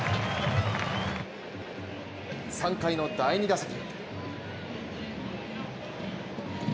３回の第２打席。